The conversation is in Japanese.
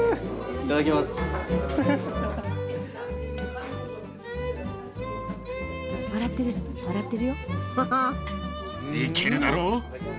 いけるだろう？